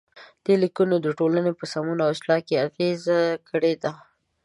دې لیکنو د ټولنې په سمون او اصلاح کې اغیزه کړې ده.